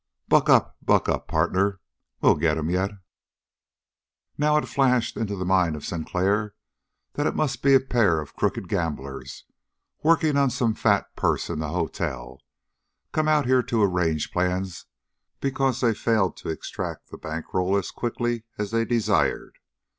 "Buck up, buck up, partner. We'll get him yet!" Now it flashed into the mind of Sinclair that it must be a pair of crooked gamblers working on some fat purse in the hotel, come out here to arrange plans because they failed to extract the bank roll as quickly as they desired.